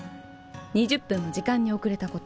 ２０分も時間に遅れたこと。